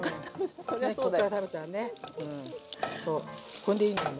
こんでいいんだよ